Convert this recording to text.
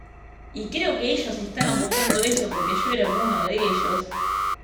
Y creo que ellos estaban buscando eso porque yo era uno de ellos!